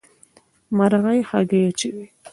مرغۍ هګۍ اچوي.